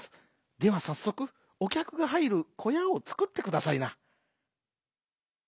ではさっそくおきゃくがはいるこやをつくってくださいな」。